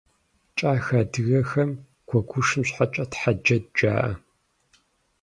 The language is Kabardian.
Кӏахэ адыгэхэм гуэгушым щхьэкӏэ тхьэджэд жаӏэ.